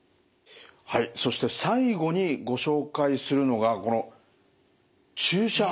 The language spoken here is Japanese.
はいそして最後にご紹介するのがこの注射。